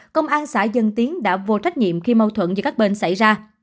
công an xã dân tiến đã vô trách nhiệm khi mâu thuẫn giữa các bên xảy ra